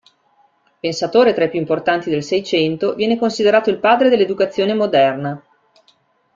Pensatore tra i più importanti del Seicento, viene considerato il padre dell'educazione moderna.